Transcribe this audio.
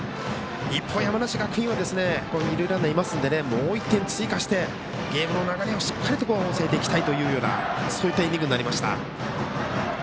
一方、山梨学院は二塁ランナーいますのでもう１点、追加してゲームの流れをしっかり抑えていきたいというイニングになりました。